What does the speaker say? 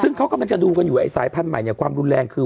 ซึ่งเขากำลังจะดูกันอยู่ไอ้สายพันธุ์ใหม่เนี่ยความรุนแรงคือ